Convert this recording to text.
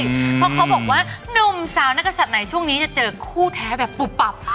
เพราะเขาบอกว่านุ่มสาวนักศัตริย์ไหนช่วงนี้จะเจอคู่แท้แบบปุบปับ